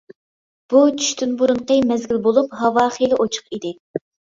بۇ چۈشتىن بۇرۇنقى مەزگىل بولۇپ ھاۋا خېلى ئۇچۇق ئىدى.